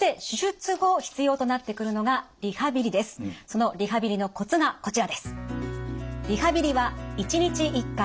そのリハビリのコツがこちらです。